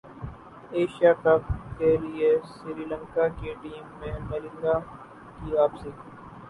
Asia cup کیلئے سری لنکا کی team میں ملنگا کی واپسی